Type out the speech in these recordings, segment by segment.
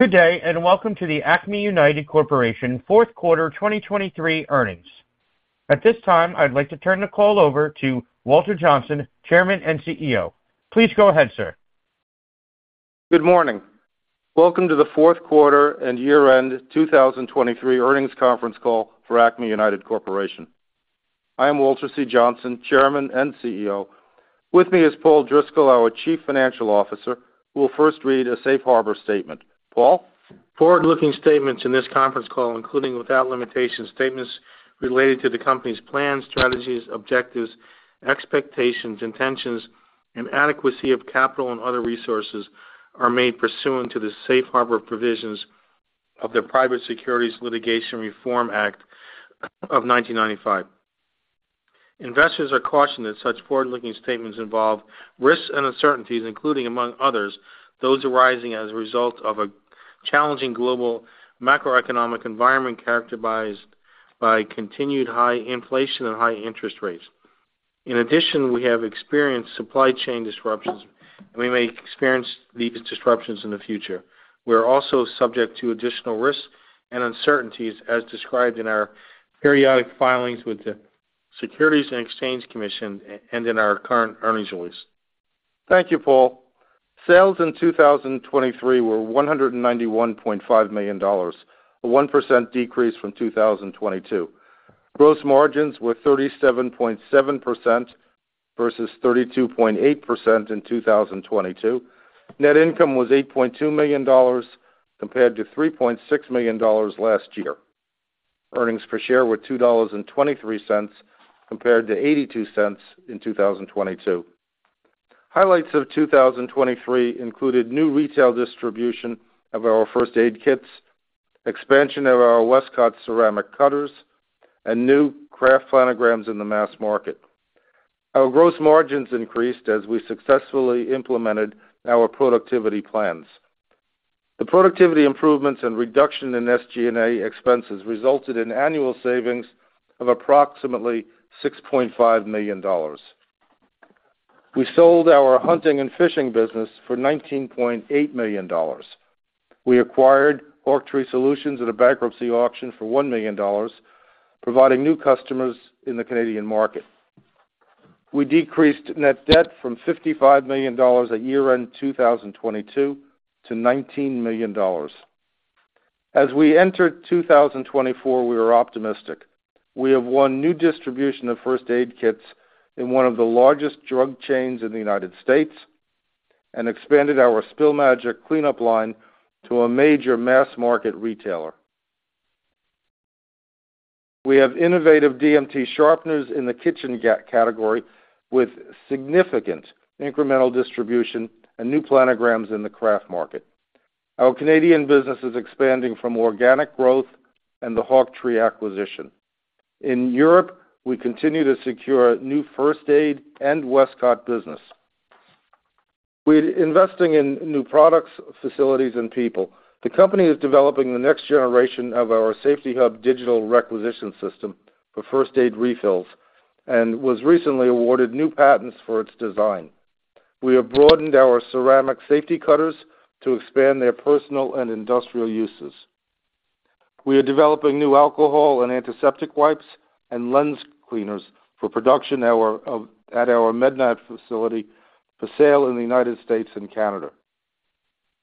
Good day and welcome to the Acme United Corporation Fourth Quarter 2023 Earnings. At this time, I'd like to turn the call over to Walter Johnsen, Chairman and CEO. Please go ahead, sir. Good morning. Welcome to the Fourth quarter and Year-End 2023 Earnings Conference Call for Acme United Corporation. I am Walter Johnsen, Chairman and CEO. With me is Paul Driscoll, our Chief Financial Officer, who will first read a Safe Harbor Statement. Paul? Forward-looking statements in this conference call, including without limitations statements related to the company's plans, strategies, objectives, expectations, intentions, and adequacy of capital and other resources, are made pursuant to the Safe Harbor provisions of the Private Securities Litigation Reform Act of 1995. Investors are cautioned that such forward-looking statements involve risks and uncertainties, including, among others, those arising as a result of a challenging global macroeconomic environment characterized by continued high inflation and high interest rates. In addition, we have experienced supply chain disruptions, and we may experience these disruptions in the future. We are also subject to additional risks and uncertainties as described in our periodic filings with the Securities and Exchange Commission and in our current earnings release. Thank you, Paul. Sales in 2023 were $191.5 million, a 1% decrease from 2022. Gross margins were 37.7% versus 32.8% in 2022. Net income was $8.2 million compared to $3.6 million last year. Earnings per share were $2.23 compared to $0.82 in 2022. Highlights of 2023 included new retail distribution of our first aid kits, expansion of our Westcott ceramic cutters, and new craft planograms in the mass market. Our gross margins increased as we successfully implemented our productivity plans. The productivity improvements and reduction in SG&A expenses resulted in annual savings of approximately $6.5 million. We sold our hunting and fishing business for $19.8 million. We acquired Hawktree Solutions at a bankruptcy auction for $1 million, providing new customers in the Canadian market. We decreased net debt from $55 million at year-end 2022 to $19 million. As we entered 2024, we were optimistic. We have won new distribution of first aid kits in one of the largest drug chains in the United States and expanded our Spill Magic cleanup line to a major mass market retailer. We have innovative DMT sharpeners in the kitchen category with significant incremental distribution and new planograms in the craft market. Our Canadian business is expanding from organic growth and the Hawktree acquisition. In Europe, we continue to secure new first aid and Westcott business. With investing in new products, facilities, and people, the company is developing the next generation of our SafetyHub digital requisition system for first aid refills and was recently awarded new patents for its design. We have broadened our ceramic safety cutters to expand their personal and industrial uses. We are developing new alcohol and antiseptic wipes and lens cleaners for production at our Med-Nap facility for sale in the United States and Canada.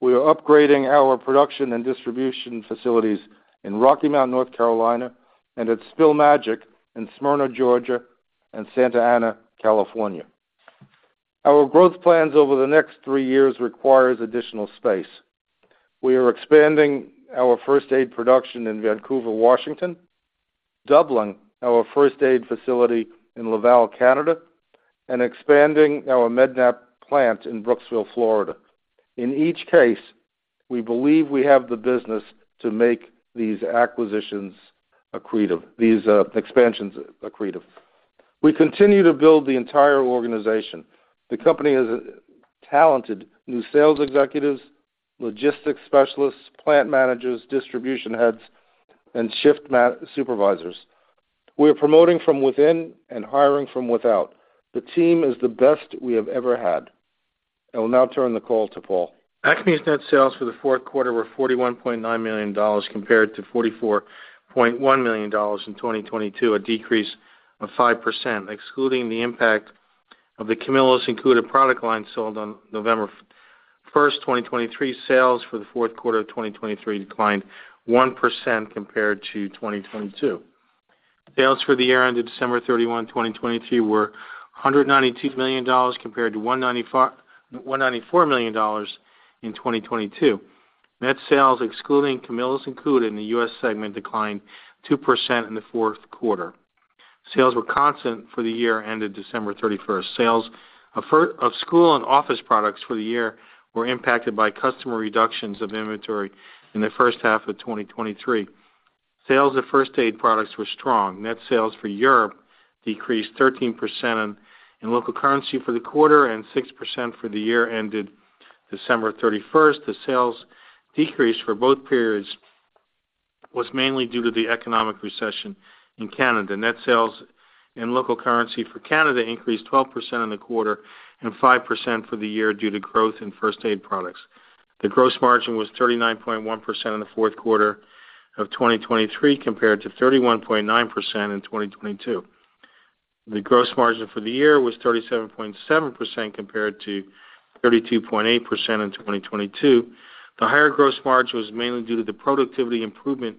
We are upgrading our production and distribution facilities in Rocky Mount, North Carolina, and at Spill Magic in Smyrna, Georgia, and Santa Ana, California. Our growth plans over the next three years require additional space. We are expanding our first aid production in Vancouver, Washington, doubling our first aid facility in Laval, Canada, and expanding our Med-Nap plant in Brooksville, Florida. In each case, we believe we have the business to make these expansions accretive. We continue to build the entire organization. The company has talented new sales executives, logistics specialists, plant managers, distribution heads, and shift supervisors. We are promoting from within and hiring from without. The team is the best we have ever had. I will now turn the call to Paul. Acme's net sales for the fourth quarter were $41.9 million compared to $44.1 million in 2022, a decrease of 5%. Excluding the impact of the Camillus and Cuda product line sold on November 1st, 2023, sales for the fourth quarter of 2023 declined 1% compared to 2022. Sales for the year-end of December 31, 2023, were $192 million compared to $194 million in 2022. Net sales, excluding Camillus and Cuda in the U.S. segment, declined 2% in the fourth quarter. Sales were constant for the year-end of December 31st. Sales of school and office products for the year were impacted by customer reductions of inventory in the first half of 2023. Sales of first aid products were strong. Net sales for Europe decreased 13% in local currency for the quarter and 6% for the year-ended December 31st. The sales decrease for both periods was mainly due to the economic recession in Canada. Net sales in local currency for Canada increased 12% in the quarter and 5% for the year due to growth in first aid products. The gross margin was 39.1% in the fourth quarter of 2023 compared to 31.9% in 2022. The gross margin for the year was 37.7% compared to 32.8% in 2022. The higher gross margin was mainly due to the productivity improvement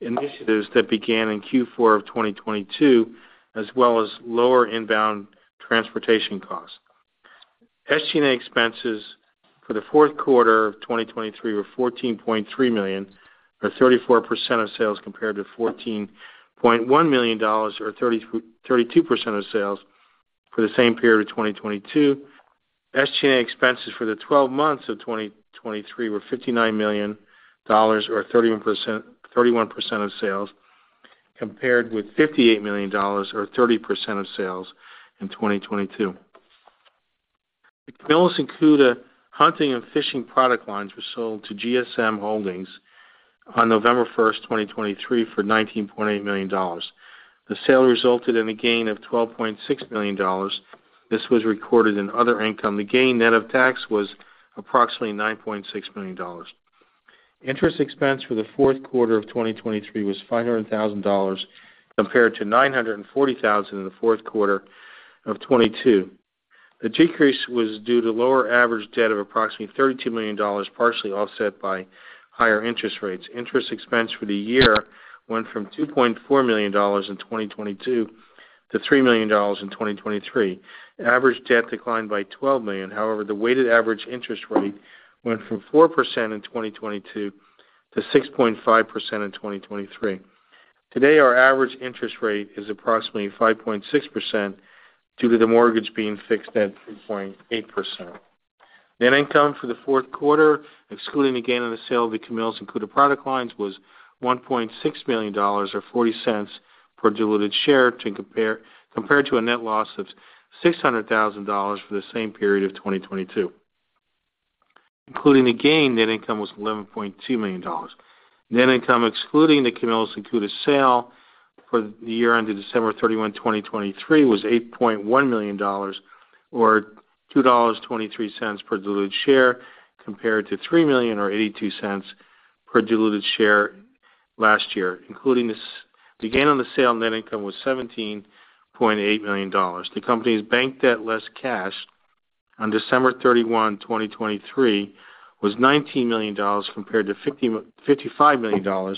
initiatives that began in Q4 of 2022 as well as lower inbound transportation costs. SG&A expenses for the fourth quarter of 2023 were $14.3 million, or 34% of sales compared to $14.1 million, or 32% of sales for the same period of 2022. SG&A expenses for the 12 months of 2023 were $59 million, or 31% of sales, compared with $58 million, or 30% of sales in 2022. The Camillus and Cuda hunting and fishing product lines were sold to GSM Holdings on November 1st, 2023, for $19.8 million. The sale resulted in a gain of $12.6 million. This was recorded in other income. The gain net of tax was approximately $9.6 million. Interest expense for the fourth quarter of 2023 was $500,000 compared to $940,000 in the fourth quarter of 2022. The decrease was due to lower average debt of approximately $32 million, partially offset by higher interest rates. Interest expense for the year went from $2.4 million in 2022 to $3 million in 2023. Average debt declined by $12 million. However, the weighted average interest rate went from 4% in 2022 to 6.5% in 2023. Today, our average interest rate is approximately 5.6% due to the mortgage being fixed at 3.8%. Net income for the fourth quarter, excluding the gain in the sale of the Camillus and Cuda product lines, was $1.6 million, or $0.40, per diluted share compared to a net loss of $600,000 for the same period of 2022. Including the gain, net income was $11.2 million. Net income excluding the Camillus and Cuda sale for the year-end of December 31, 2023, was $8.1 million, or $2.23, per diluted share compared to $3 million, or $0.82, per diluted share last year. The gain on the sale net income was $17.8 million. The company's bank debt less cash on December 31, 2023, was $19 million compared to $55 million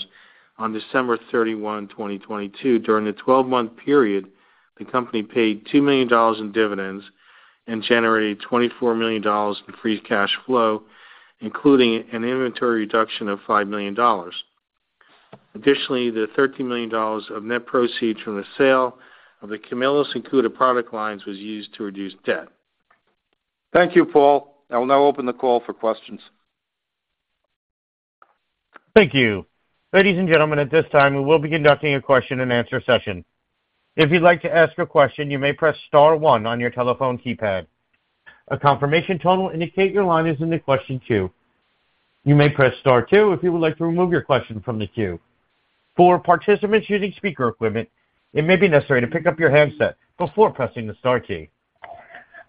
on December 31, 2022. During the 12-month period, the company paid $2 million in dividends and generated $24 million in free cash flow, including an inventory reduction of $5 million. Additionally, the $13 million of net proceeds from the sale of the Camillus and Cuda product lines was used to reduce debt. Thank you, Paul. I will now open the call for questions. Thank you. Ladies and gentlemen, at this time, we will be conducting a question-and-answer session. If you'd like to ask a question, you may press star one on your telephone keypad. A confirmation tone will indicate your line is in the question queue. You may press star two if you would like to remove your question from the queue. For participants using speaker equipment, it may be necessary to pick up your handset before pressing the star key.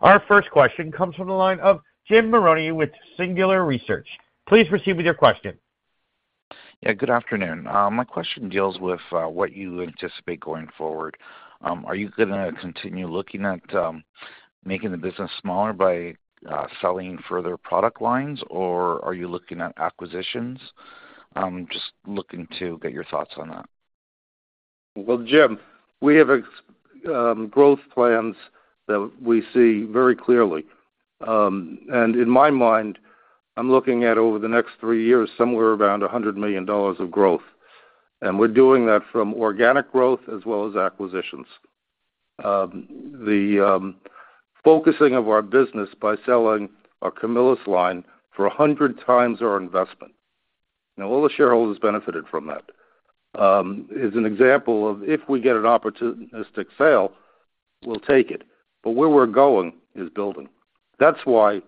Our first question comes from the line of Jim Marrone with Singular Research. Please proceed with your question. Yeah, good afternoon. My question deals with what you anticipate going forward. Are you going to continue looking at making the business smaller by selling further product lines, or are you looking at acquisitions? I'm just looking to get your thoughts on that. Well, Jim, we have growth plans that we see very clearly. In my mind, I'm looking at, over the next three years, somewhere around $100 million of growth. We're doing that from organic growth as well as acquisitions. The focusing of our business by selling our Camillus line for 100 times our investment. Now, all the shareholders benefited from that. As an example, if we get an opportunistic sale, we'll take it. But where we're going is building. That's why,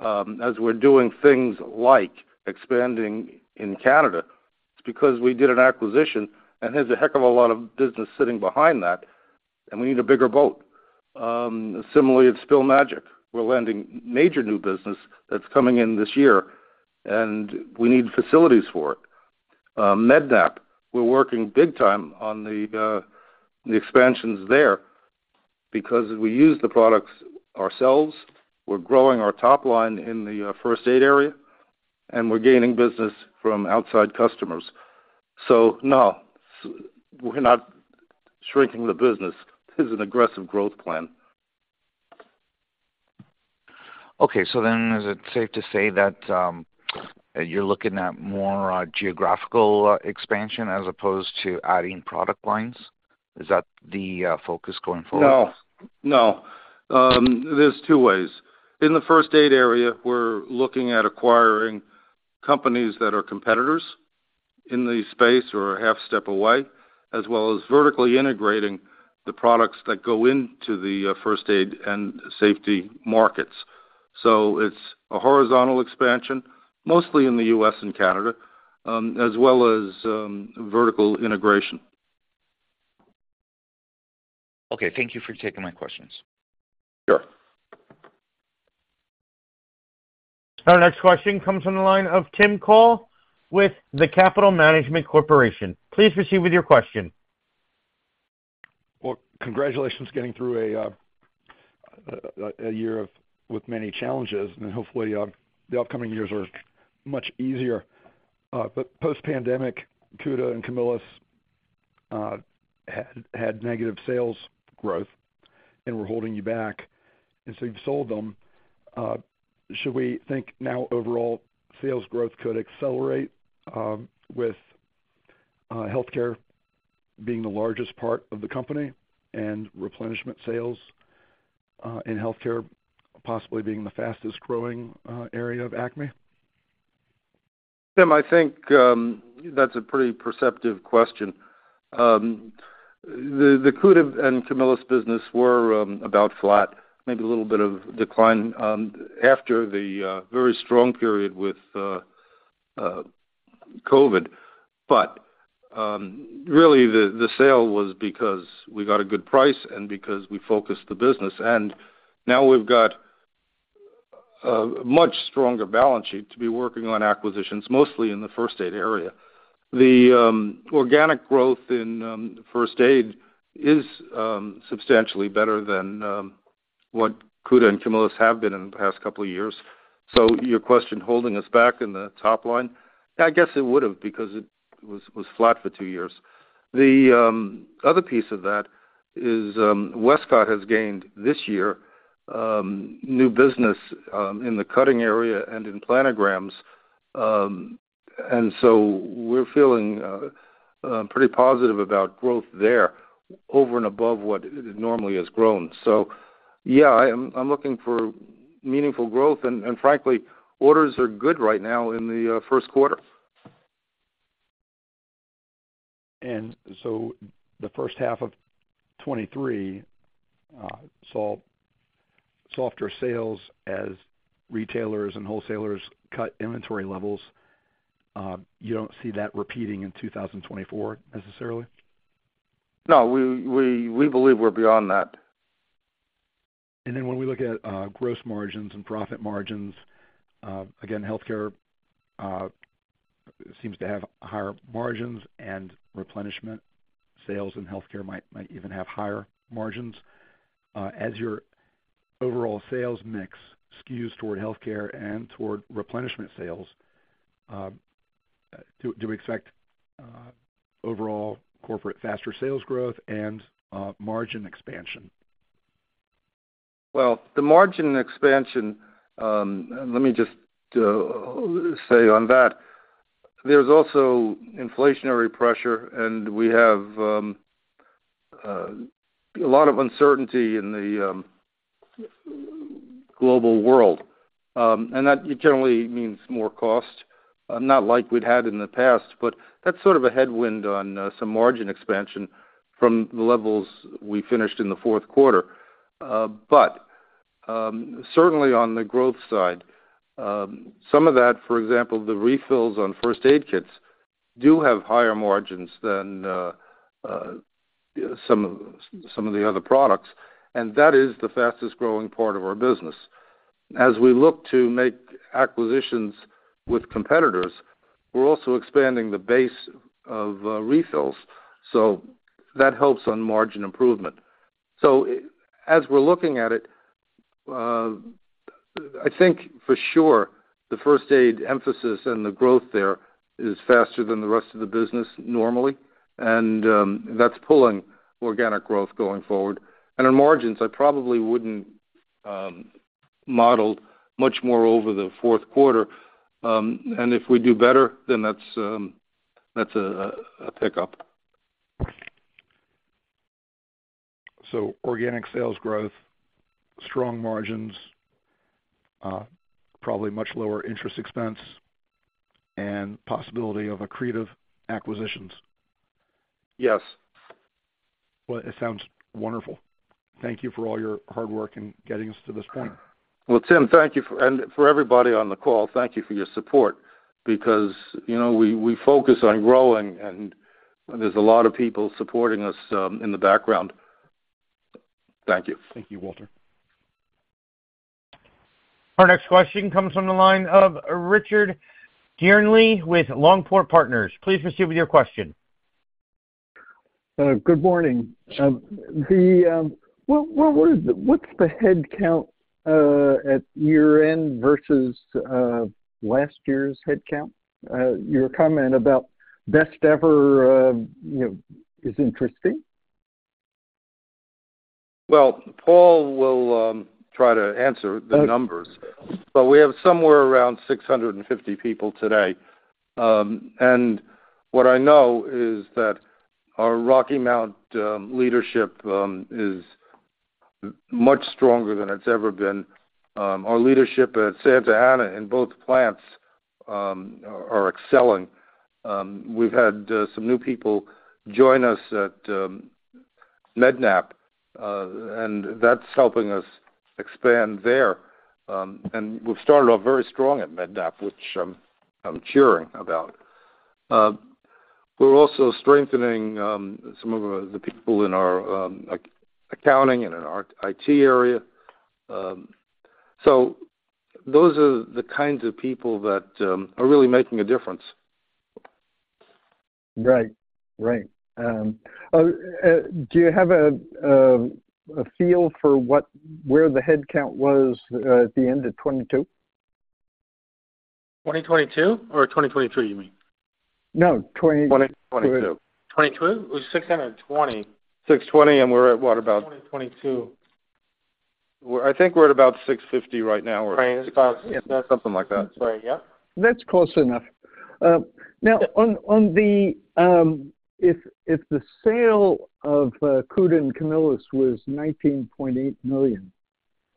as we're doing things like expanding in Canada, it's because we did an acquisition and there's a heck of a lot of business sitting behind that, and we need a bigger boat. Similarly, at Spill Magic, we're landing major new business that's coming in this year, and we need facilities for it. Med-Nap, we're working big time on the expansions there because we use the products ourselves. We're growing our top line in the first aid area, and we're gaining business from outside customers. So no, we're not shrinking the business. This is an aggressive growth plan. Okay. So then is it safe to say that you're looking at more geographical expansion as opposed to adding product lines? Is that the focus going forward? No. No. There's two ways. In the first aid area, we're looking at acquiring companies that are competitors in the space or a half step away, as well as vertically integrating the products that go into the first aid and safety markets. It's a horizontal expansion, mostly in the U.S. and Canada, as well as vertical integration. Okay. Thank you for taking my questions. Sure. Our next question comes from the line of Tim Call with The Capital Management Corporation. Please proceed with your question. Well, congratulations getting through a year with many challenges. Hopefully, the upcoming years are much easier. But post-pandemic, Cuda and Camillus had negative sales growth, and we're holding you back. So you've sold them. Should we think now, overall, sales growth could accelerate with healthcare being the largest part of the company and replenishment sales in healthcare possibly being the fastest growing area of Acme? Tim, I think that's a pretty perceptive question. The Cuda and Camillus business were about flat, maybe a little bit of decline after the very strong period with COVID. But really, the sale was because we got a good price and because we focused the business. And now we've got a much stronger balance sheet to be working on acquisitions, mostly in the first aid area. The organic growth in first aid is substantially better than what Cuda and Camillus have been in the past couple of years. So your question, holding us back in the top line? Yeah, I guess it would have because it was flat for two years. The other piece of that is Westcott has gained this year new business in the cutting area and in planograms. And so we're feeling pretty positive about growth there over and above what it normally has grown. Yeah, I'm looking for meaningful growth. Frankly, orders are good right now in the first quarter. And so the first half of 2023 saw softer sales as retailers and wholesalers cut inventory levels. You don't see that repeating in 2024 necessarily? No. We believe we're beyond that. Then when we look at gross margins and profit margins, again, healthcare seems to have higher margins, and replenishment sales in healthcare might even have higher margins. As your overall sales mix skews toward healthcare and toward replenishment sales, do we expect overall corporate faster sales growth and margin expansion? Well, the margin expansion, let me just say on that, there's also inflationary pressure, and we have a lot of uncertainty in the global world. And that generally means more cost, not like we'd had in the past. But that's sort of a headwind on some margin expansion from the levels we finished in the fourth quarter. But certainly, on the growth side, some of that, for example, the refills on first aid kits do have higher margins than some of the other products. And that is the fastest growing part of our business. As we look to make acquisitions with competitors, we're also expanding the base of refills. So that helps on margin improvement. So as we're looking at it, I think for sure, the first aid emphasis and the growth there is faster than the rest of the business normally. And that's pulling organic growth going forward. On margins, I probably wouldn't model much more over the fourth quarter. If we do better, then that's a pickup. So organic sales growth, strong margins, probably much lower interest expense, and possibility of accretive acquisitions. Yes. Well, it sounds wonderful. Thank you for all your hard work in getting us to this point. Well, Tim, thank you. For everybody on the call, thank you for your support because we focus on growing, and there's a lot of people supporting us in the background. Thank you. Thank you, Walter. Our next question comes from the line of Richard Dearnley with Longport Partners. Please proceed with your question. Good morning. What's the headcount at year-end versus last year's headcount? Your comment about best ever is interesting. Well, Paul will try to answer the numbers. We have somewhere around 650 people today. What I know is that our Rocky Mount leadership is much stronger than it's ever been. Our leadership at Santa Ana in both plants are excelling. We've had some new people join us at Med-Nap, and that's helping us expand there. We've started off very strong at Med-Nap, which I'm cheering about. We're also strengthening some of the people in our accounting and in our IT area. Those are the kinds of people that are really making a difference. Right. Right. Do you have a feel for where the headcount was at the end of 2022? 2022 or 2023, you mean? No. 2022. 2022. It was 620. 620, and we're at what, about? 2022. I think we're at about 650 right now, or. Right. It's about. Something like that. Sorry. Yep. That's close enough. Now, if the sale of Cuda and Camillus was $19.8 million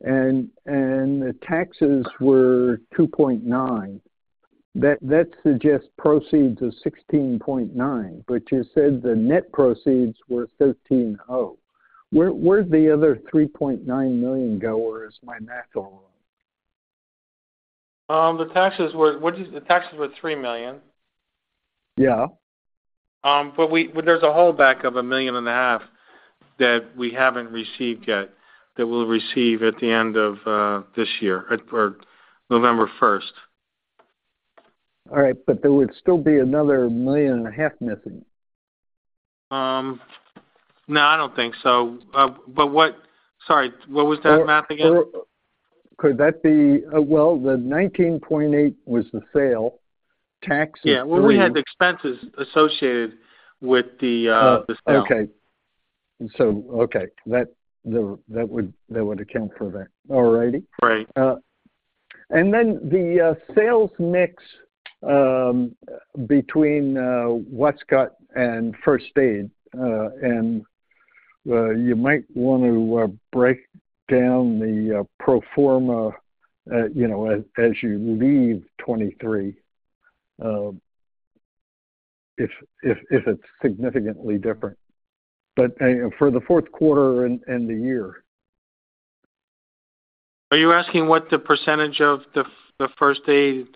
and the taxes were $2.9 million, that suggests proceeds of $16.9 million, but you said the net proceeds were $13.0 million. Where'd the other $3.9 million go? Is my math all wrong? The taxes were $3 million. Yeah. There's a holdback of $1.5 million that we haven't received yet that we'll receive at the end of this year or November 1st. All right. But there would still be another $1.5 million missing. No, I don't think so. Sorry. What was that math again? Could that be, well, the $19.8 was the sale, taxes? Yeah. Well, we had the expenses associated with the sale. Okay. Okay. That would account for that. All righty. And then the sales mix between Westcott and first aid, and you might want to break down the pro forma as you leave 2023 if it's significantly different. But for the fourth quarter and the year. Are you asking what the percentage of the first aid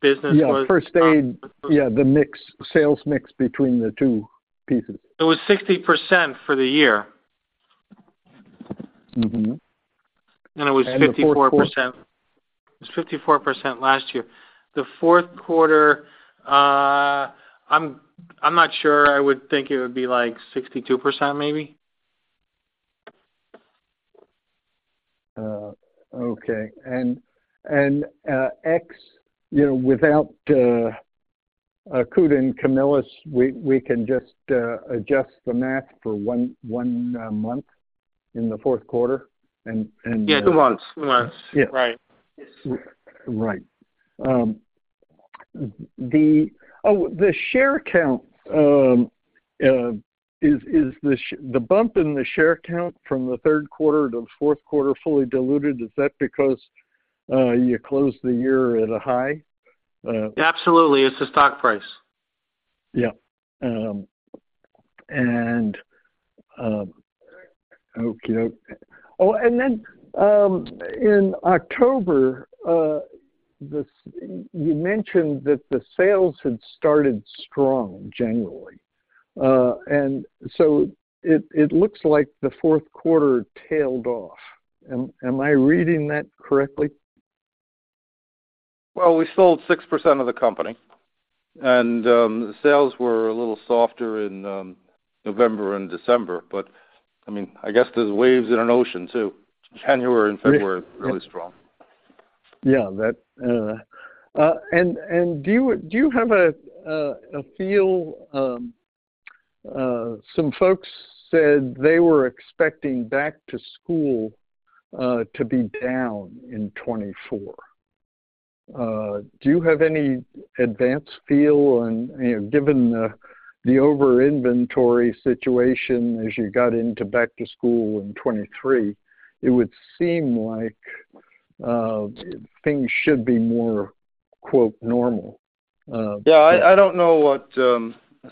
business was? Yeah. Yeah, the sales mix between the two pieces. It was 60% for the year. It was 54%. The fourth quarter. It was 54% last year. The fourth quarter, I'm not sure. I would think it would be like 62% maybe. Okay. And next, without Cuda and Camillus, we can just adjust the math for one month in the fourth quarter and. Yeah. Two months. Two months. Right. Right. Oh, the share count, is the bump in the share count from the third quarter to the fourth quarter fully diluted? Is that because you closed the year at a high? Absolutely. It's the stock price. Yeah. Oh, and then in October, you mentioned that the sales had started strong generally. So it looks like the fourth quarter tailed off. Am I reading that correctly? Well, we sold 6% of the company, and the sales were a little softer in November and December. But I mean, I guess there's waves in an ocean too. January and February are really strong. Yeah. And do you have a feel? Some folks said they were expecting back-to-school to be down in 2024. Do you have any advance feel? And given the over-inventory situation as you got into back-to-school in 2023, it would seem like things should be more "normal. Yeah. I don't know what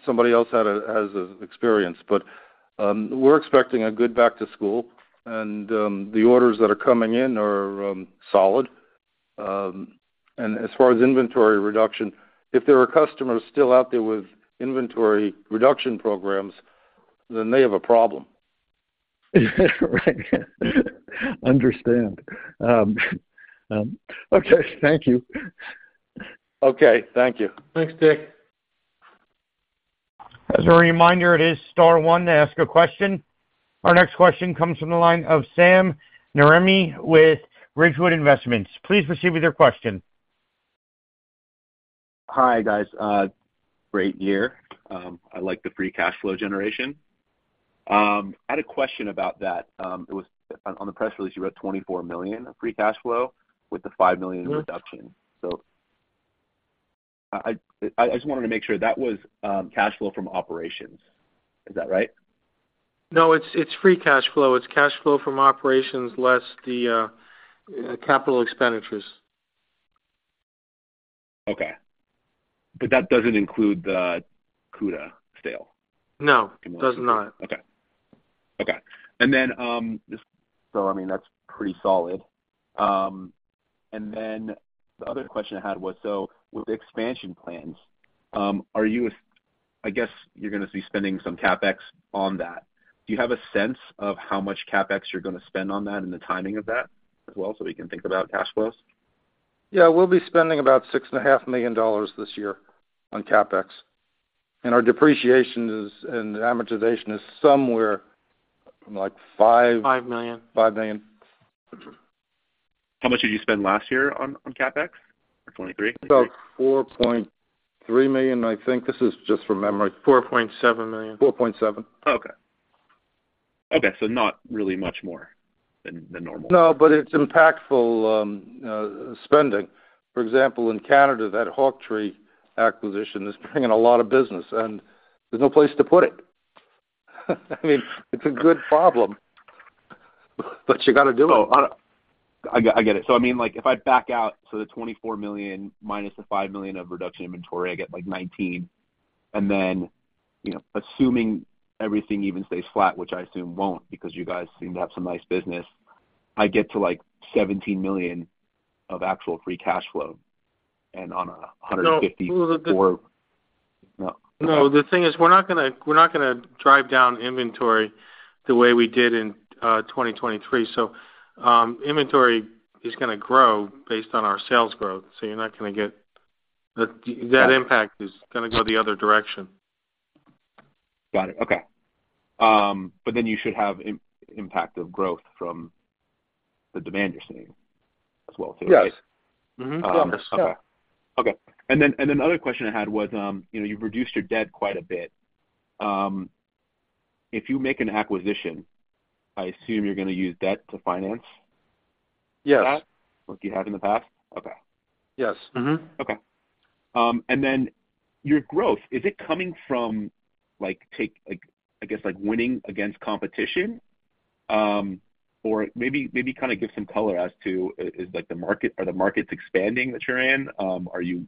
somebody else has as experience, but we're expecting a good back-to-school. The orders that are coming in are solid. As far as inventory reduction, if there are customers still out there with inventory reduction programs, then they have a problem. Right. Understand. Okay. Thank you. Okay. Thank you. Thanks, Dick. As a reminder, it is star one to ask a question. Our next question comes from the line of Sam Namiri with Ridgewood Investments. Please proceed with your question. Hi, guys. Great year. I like the free cash flow generation. I had a question about that. On the press release, you wrote $24 million of free cash flow with the $5 million reduction. So I just wanted to make sure that was cash flow from operations. Is that right? No, it's free cash flow. It's cash flow from operations less the capital expenditures. Okay. But that doesn't include the Cuda sale? No. It does not. Okay. Okay. And then this. So, I mean, that's pretty solid. And then the other question I had was, so with the expansion plans, are you—I guess you're going to be spending some CapEx on that. Do you have a sense of how much CapEx you're going to spend on that and the timing of that as well so we can think about cash flows? Yeah. We'll be spending about $6.5 million this year on CapEx. Our depreciation and amortization is somewhere like $5 million. $5 million. $5 million. How much did you spend last year on CapEx for 2023? About $4.3 million. I think this is just from memory. $4.7 million. $4.7 million. Okay. Okay. So not really much more than the normal. No. But it's impactful spending. For example, in Canada, that HawkTree acquisition is bringing a lot of business, and there's no place to put it. I mean, it's a good problem, but you got to do it. Oh, I get it. So I mean, if I back out, so the $24 million minus the $5 million of reduction inventory, I get like $19 million. And then assuming everything even stays flat, which I assume won't because you guys seem to have some nice business, I get to like $17 million of actual free cash flow and on a $154 million. No. No. The thing is, we're not going to drive down inventory the way we did in 2023. So inventory is going to grow based on our sales growth. So you're not going to get that impact is going to go the other direction. Got it. Okay. But then you should have impact of growth from the demand you're seeing as well too, right? Yes. Yes. Okay. Okay. And then another question I had was, you've reduced your debt quite a bit. If you make an acquisition, I assume you're going to use debt to finance that like you have in the past? Yes. Yes. Okay. Okay. And then your growth, is it coming from, I guess, winning against competition? Or maybe kind of give some color as to, is the market are the markets expanding that you're in? Are you,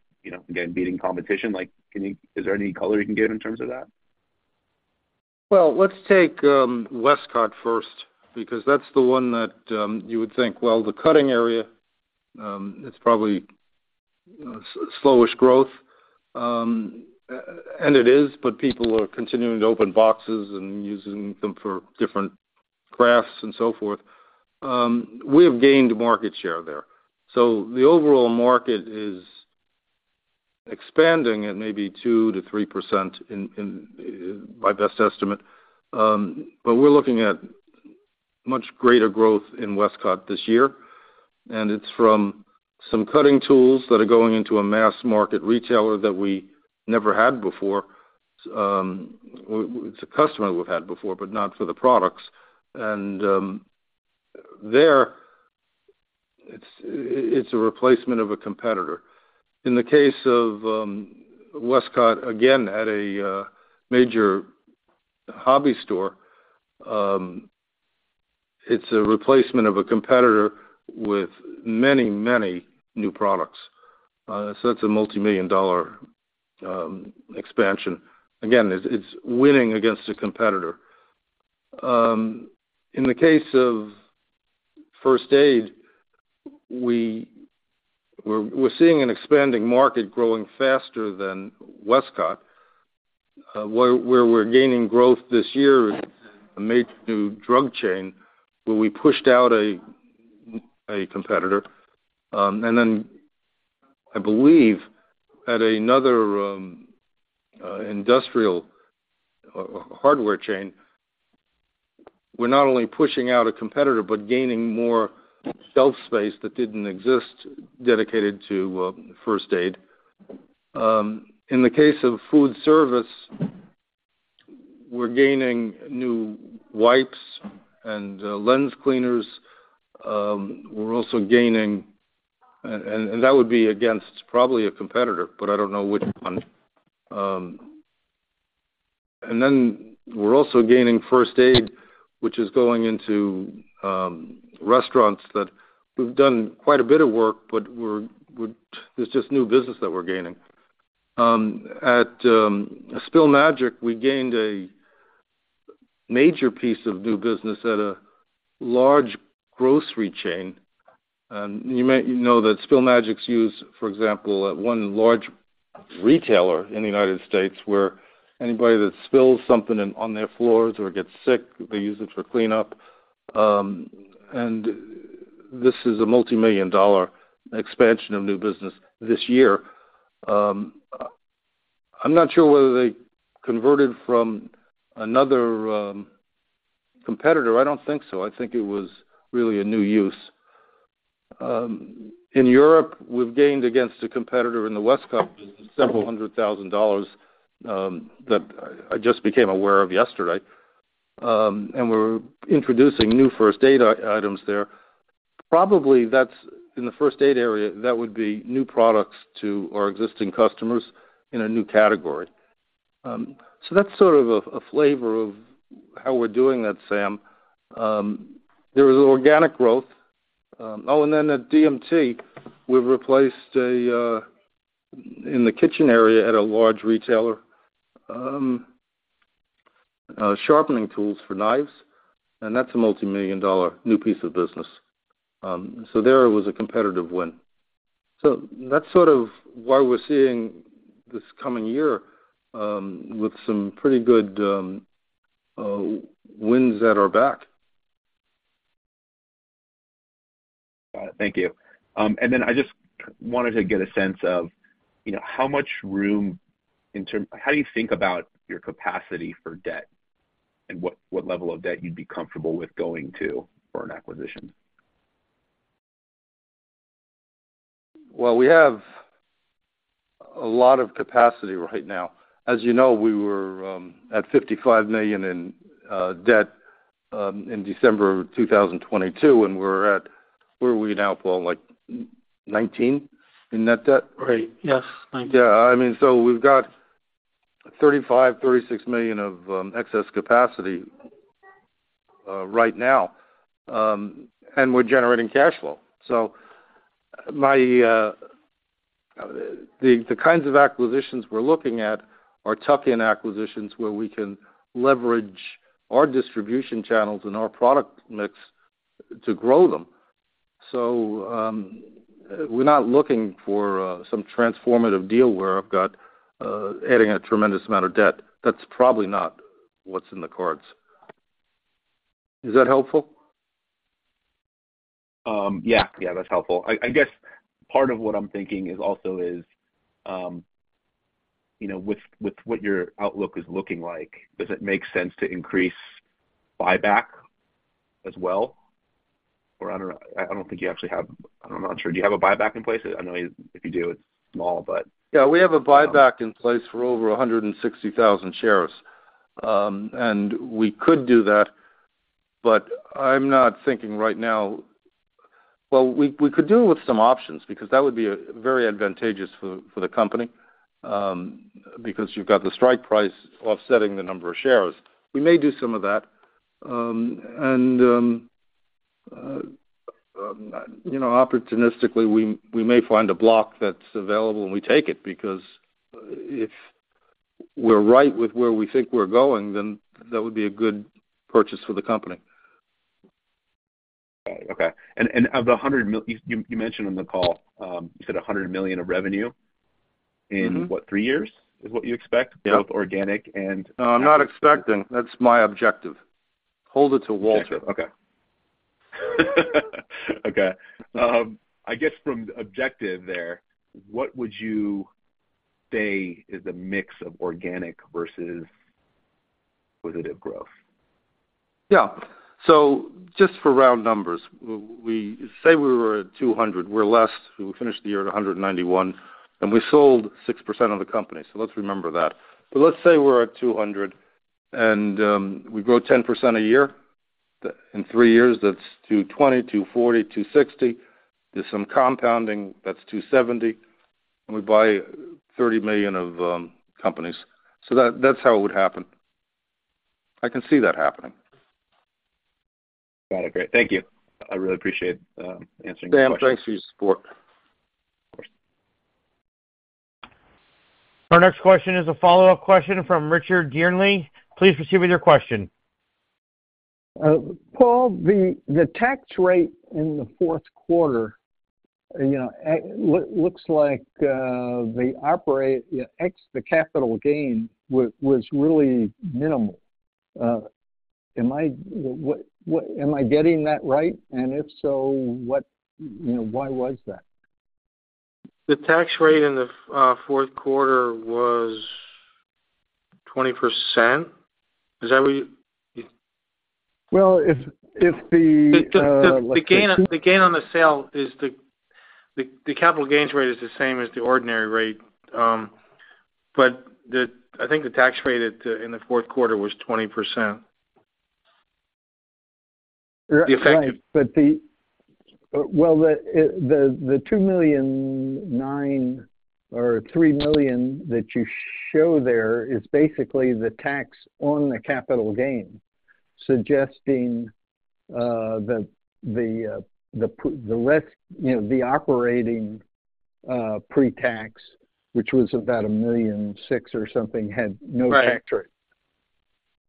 again, beating competition? Is there any color you can give in terms of that? Well, let's take Westcott first because that's the one that you would think, "Well, the cutting area, it's probably slowish growth." And it is, but people are continuing to open boxes and using them for different crafts and so forth. We have gained market share there. The overall market is expanding at maybe 2%-3%, by best estimate. But we're looking at much greater growth in Westcott this year. And it's from some cutting tools that are going into a mass market retailer that we never had before. It's a customer we've had before, but not for the products. And there, it's a replacement of a competitor. In the case of Westcott, again, at a major hobby store, it's a replacement of a competitor with many, many new products. That's a multimillion-dollar expansion. Again, it's winning against a competitor. In the case of first aid, we're seeing an expanding market growing faster than Westcott, where we're gaining growth this year with a major new drug chain where we pushed out a competitor. And then I believe at another industrial hardware chain, we're not only pushing out a competitor but gaining more shelf space that didn't exist dedicated to first aid. In the case of food service, we're gaining new wipes and lens cleaners. We're also gaining and that would be against probably a competitor, but I don't know which one. And then we're also gaining first aid, which is going into restaurants that we've done quite a bit of work, but there's just new business that we're gaining. At Spill Magic, we gained a major piece of new business at a large grocery chain. You might know that Spill Magic's used, for example, at one large retailer in the United States where anybody that spills something on their floors or gets sick, they use it for cleanup. This is a multimillion-dollar expansion of new business this year. I'm not sure whether they converted from another competitor. I don't think so. I think it was really a new use. In Europe, we've gained against a competitor in the Westcott business several hundred thousand dollars that I just became aware of yesterday. We're introducing new first aid items there. Probably in the first aid area, that would be new products to our existing customers in a new category. That's sort of a flavor of how we're doing that, Sam. There was organic growth. Oh, and then at DMT, we've replaced in the kitchen area at a large retailer sharpening tools for knives. That's a multimillion-dollar new piece of business. So, there it was a competitive win. So that's sort of why we're seeing this coming year with some pretty good wins at our back. Got it. Thank you. And then I just wanted to get a sense of how much room in terms of how do you think about your capacity for debt and what level of debt you'd be comfortable with going to for an acquisition? Well, we have a lot of capacity right now. As you know, we were at $55 million in debt in December of 2022, and we're at where are we now, Paul? $19 million in net debt? Right. Yes. 19. Yeah. I mean, so we've got 35 million-36 million of excess capacity right now, and we're generating cash flow. So the kinds of acquisitions we're looking at are tuck-in acquisitions where we can leverage our distribution channels and our product mix to grow them. So we're not looking for some transformative deal where I've got adding a tremendous amount of debt. That's probably not what's in the cards. Is that helpful? Yeah. Yeah. That's helpful. I guess part of what I'm thinking also is, with what your outlook is looking like, does it make sense to increase buyback as well? Or I don't know. I don't think you actually have. I'm not sure. Do you have a buyback in place? I know if you do, it's small, but. Yeah. We have a buyback in place for over 160,000 shares. And we could do that, but I'm not thinking right now, well, we could do it with some options because that would be very advantageous for the company because you've got the strike price offsetting the number of shares. We may do some of that. And opportunistically, we may find a block that's available, and we take it because if we're right with where we think we're going, then that would be a good purchase for the company. Got it. Okay. Of the $100 million you mentioned on the call, you said $100 million of revenue in, what, three years is what you expect? Both organic and. No. I'm not expecting. That's my objective. Hold it to Walter. Okay. Okay. Okay. I guess from the objective there, what would you say is the mix of organic versus positive growth? Yeah. So just for round numbers, say we were at 200. We finished the year at 191, and we sold 6% of the company. So let's remember that. But let's say we're at 200, and we grow 10% a year. In three years, that's 220, 240, 260. There's some compounding. That's 270. And we buy $30 million of companies. So that's how it would happen. I can see that happening. Got it. Great. Thank you. I really appreciate answering your question. Sam, thanks for your support. Of course. Our next question is a follow-up question from Richard Dearnley. Please proceed with your question. Paul, the tax rate in the fourth quarter looks like the capital gain was really minimal. Am I getting that right? And if so, why was that? The tax rate in the fourth quarter was 20%. Is that what you? Well, if the. The gain on the sale is the capital gains rate is the same as the ordinary rate. But I think the tax rate in the fourth quarter was 20%. The effective. Right. Well, the $2.9 million or $3 million that you show there is basically the tax on the capital gain, suggesting that the operating pre-tax, which was about a $1.6 million or something, had no tax rate.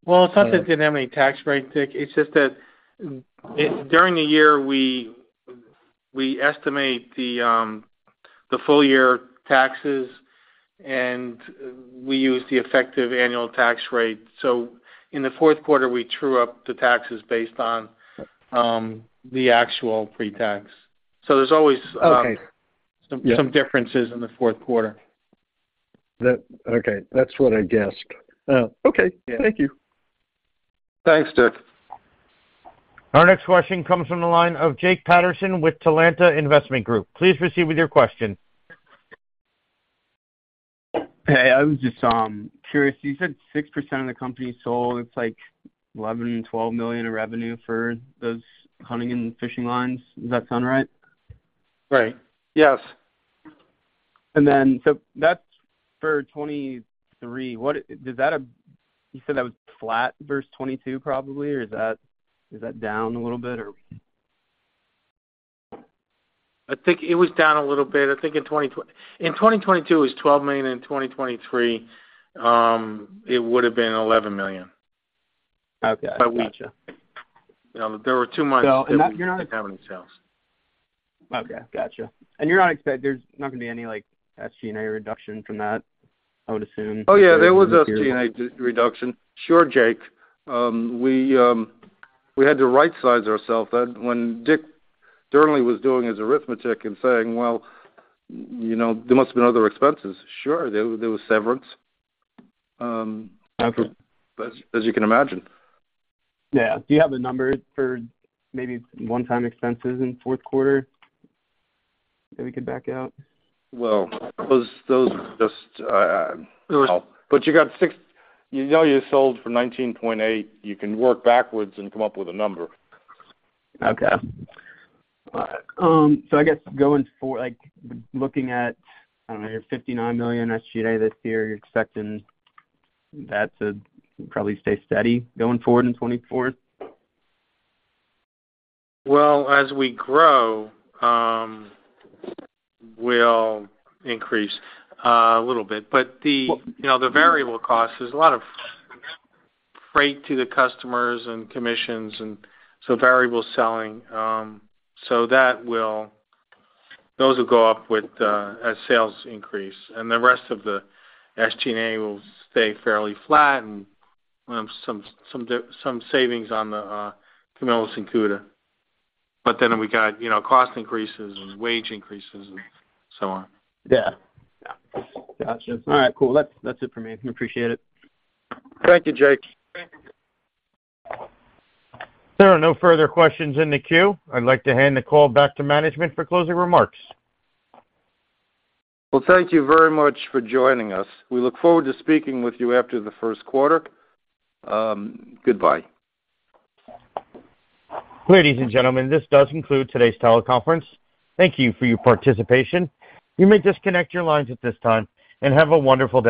Well, it's not that it didn't have any tax rate, Dick. It's just that during the year, we estimate the full-year taxes, and we use the effective annual tax rate. So in the fourth quarter, we true up the taxes based on the actual pre-tax. So there's always some differences in the fourth quarter. Okay. That's what I guessed. Okay. Thank you. Thanks, Dick. Our next question comes from the line of Jake Patterson with Talanta Investment Group. Please proceed with your question. Hey. I was just curious. You said 6% of the company sold. It's like $11 million-$12 million of revenue for those hunting and fishing lines. Does that sound right? Right. Yes. And then so that's for 2023. You said that was flat versus 2022, probably, or is that down a little bit, or? I think it was down a little bit. I think in 2022, it was $12 million. In 2023, it would have been $11 million. By week, yeah. There were two months that we didn't have any sales. Okay. Gotcha. You're not expecting there's not going to be any SG&A reduction from that, I would assume? Oh, yeah. There was SG&A reduction. Sure, Jake. We had to right-size ourselves. When Dick Dearnley was doing his arithmetic and saying, "Well, there must have been other expenses," sure. There was severance, as you can imagine. Yeah. Do you have a number for maybe one-time expenses in the fourth quarter that we could back out? Well, those just. There was. You know, you sold for $19.8. You can work backwards and come up with a number. Okay. All right. So I guess going forward, looking at, I don't know, your $59 million SG&A this year, you're expecting that to probably stay steady going forward in 2024? Well, as we grow, we'll increase a little bit. But the variable cost, there's a lot of freight to the customers and commissions and so variable selling. So those will go up as sales increase. And the rest of the SG&A will stay fairly flat and some savings on the Camillus and Cuda. But then we got cost increases and wage increases and so on. Yeah. Gotcha. All right. Cool. That's it for me. I appreciate it. Thank you, Jake. If there are no further questions in the queue, I'd like to hand the call back to management for closing remarks. Well, thank you very much for joining us. We look forward to speaking with you after the first quarter. Goodbye. Ladies and gentlemen, this does conclude today's teleconference. Thank you for your participation. You may disconnect your lines at this time and have a wonderful day.